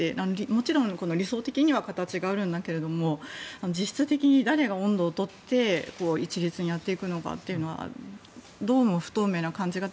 もちろん理想的には形があるんだけれども実質的に、誰が音頭を取って一律にやっていくのかはどうも不透明な感じが。